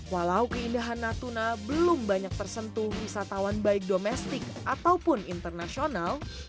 walau keindahan natuna belum banyak tersentuh wisatawan baik domestik ataupun internasional